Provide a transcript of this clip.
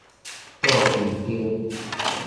倒勼燈